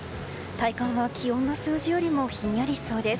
体感は気温の数字よりもひんやりしそうです。